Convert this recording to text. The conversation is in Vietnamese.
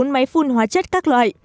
bốn máy phun hóa chất các loại